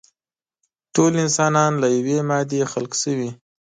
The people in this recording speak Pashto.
ټول انسانان له يوې مادې خلق شوي.